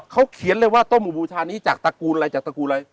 เขาเขียนเลยว่าต้มหมู่บูชานี้จากตระกูลอะไรจากตระกูลอะไร